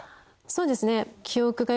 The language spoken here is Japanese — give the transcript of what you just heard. そうですね